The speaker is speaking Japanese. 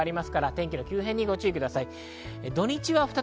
天気の急変にご注意ください。